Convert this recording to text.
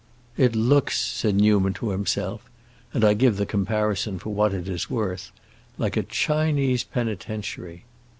"It looks," said Newman to himself—and I give the comparison for what it is worth—"like a Chinese penitentiary."